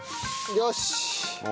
よし！